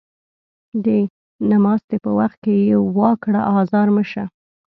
د نماستي په وخت يې وا کړه ازار مه شه